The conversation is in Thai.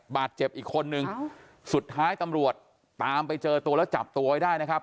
บาดเจ็บอีกคนนึงสุดท้ายตำรวจตามไปเจอตัวแล้วจับตัวไว้ได้นะครับ